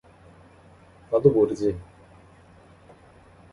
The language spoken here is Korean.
나도 모르지.